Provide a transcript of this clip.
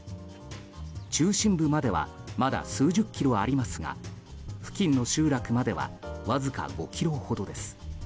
中心部まではまだ数十キロありますが付近の集落まではわずか５ｋｍほどです。